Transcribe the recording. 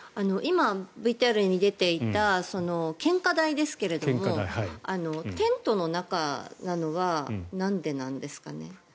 今、ＶＴＲに出ていた献花台ですけどもテントの中なのはなんでなんですかね。